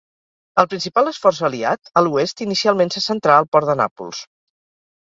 El principal esforç aliat a l'oest inicialment se centrà al port de Nàpols.